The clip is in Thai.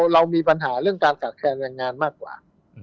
เรามีปัญหาเรื่องการขาดแคลนแรงงานมากกว่า